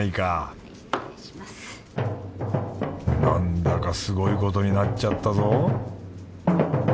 なんだかすごいことになっちゃったぞ